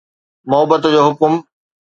محبت جو حڪم